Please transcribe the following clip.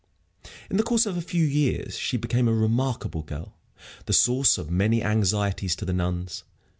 In the course of a few years she became a remarkable girl, the source of many anxieties to the nuns.